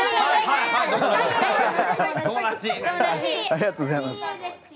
ありがとうございます。